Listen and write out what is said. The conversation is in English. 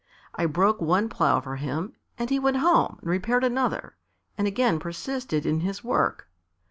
I broke one plough for him and he went home and repaired another, and again persisted in his work.